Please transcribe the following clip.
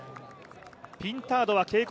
ピンタードは警告